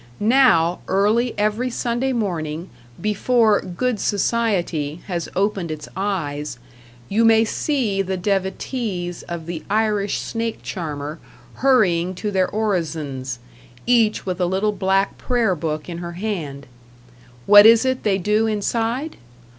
Now, early every Sunday morning, before "Good Society" has opened its eyes, you may see the devotees of the Irish snake charmer hurrying to their orisons, each with a little black prayer book in her hand. What is it they do inside?